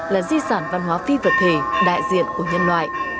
là di sản văn hóa phi vật thể đại diện của nhân loại